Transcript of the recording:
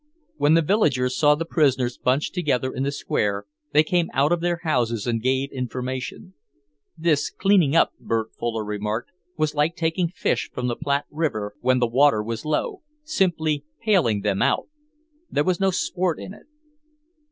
When the villagers saw the prisoners bunched together in the square, they came out of their houses and gave information. This cleaning up, Bert Fuller remarked, was like taking fish from the Platte River when the water was low, simply pailing them out! There was no sport in it.